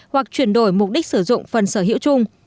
hoặc chuyển đổi mục đích sử dụng phần sở hữu chung